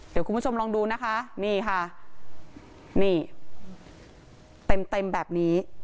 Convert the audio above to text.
เดี๋ยวคุณผู้ชมลองดูนะคะนี่ค่ะนี่เต็มเต็มแบบนี้